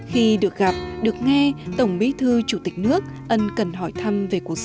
khi được gặp được nghe tổng bí thư chủ tịch nước ân cần hỏi thăm